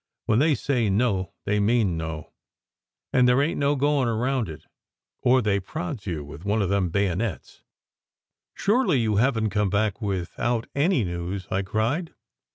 When they say no they mean no and there ain t no goin around it, or they prods you with one of them bayonets." "Surely you haven t come back without any news?" I cried.